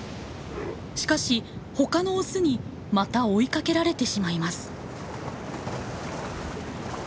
しかし他のオスにまた追いかけられてしまいます。